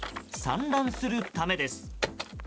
産卵するためです。